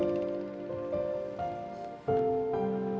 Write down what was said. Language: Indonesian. aku emang kecewa banget